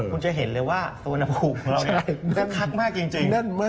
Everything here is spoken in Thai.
คุณจะเห็นเลยว่าสุวรรณภูมิของเราคึกคักมากจริง